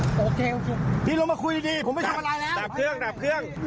โอเคโอเคพี่ลงมาคุยดีผมไม่ชัดจับเครื่องจับเครื่อง